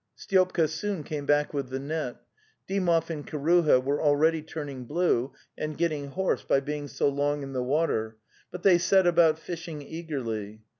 Styopka soon came back with the net. Dymov and Kiruha were already turning blue and getting hoarse by being so long in the water, but they set about fishing eagerly.